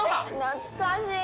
懐かしい！